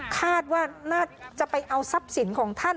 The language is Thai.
คาดว่าน่าจะไปเอาทรัพย์สินของท่าน